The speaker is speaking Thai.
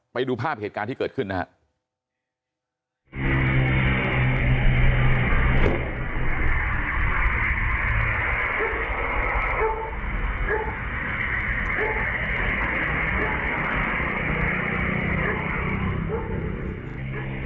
ไปดูภาพเหตุการณ์ที่เกิดขึ้นนะครับ